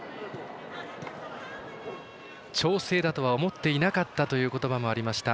調整だとは思っていなかったという言葉もありました。